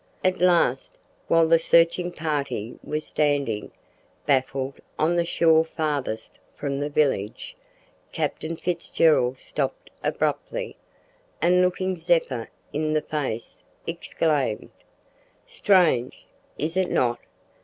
At last, while the searching party was standing, baffled, on the shore farthest from the village, Captain Fitzgerald stopped abruptly, and looking Zeppa in the face, exclaimed, "Strange, is it not?